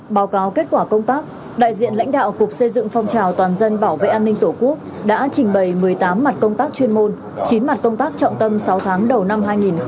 báo cáo kết quả công tác đại diện lãnh đạo cục xây dựng phong trào toàn dân bảo vệ an ninh tổ quốc đã trình bày một mươi tám mặt công tác chuyên môn chín mặt công tác trọng tâm sáu tháng đầu năm hai nghìn hai mươi